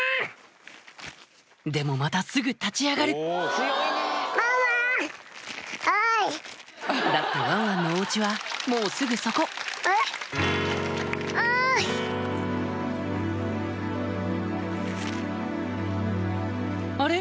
でもまたすぐ立ち上がるだってワンワンのお家はもうすぐそこあれ？